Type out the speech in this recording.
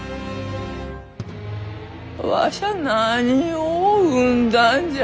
わしゃ何を生んだんじゃ？